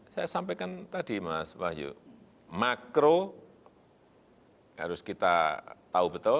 saya sampaikan tadi mas wahyu makro harus kita tahu betul